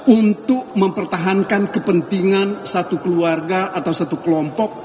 untuk mempertahankan kepentingan satu keluarga atau satu kelompok